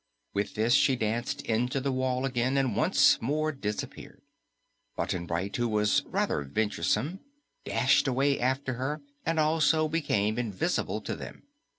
With this, she danced into the wall again and once more disappeared. Button Bright, who was rather venture some, dashed away after her and also became invisible to them.